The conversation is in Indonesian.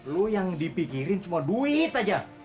lu yang dipikirin cuma duit aja